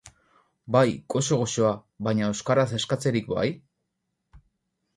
Bai, goxo goxoa baina euskaraz eskatzerik bai?